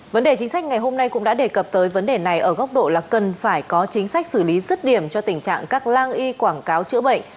vấn đề chính sách ngày hôm nay cũng đã đề cập tới vấn đề này ở góc độ là cần phải có chính sách xử lý rứt điểm cho tình trạng các lang y quảng cáo chữa bệnh